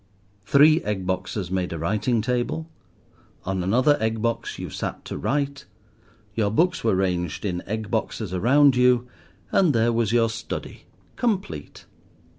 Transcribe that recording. Three egg boxes made a writing table; on another egg box you sat to write; your books were ranged in egg boxes around you—and there was your study, complete.